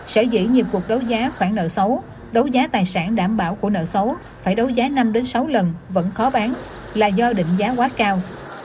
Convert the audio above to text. sở dĩ nhiều cuộc đấu giá khoản nợ xấu đấu giá tài sản đảm bảo của nợ xấu phải đấu giá năm sáu lần vẫn khó bán là do định giá quá cao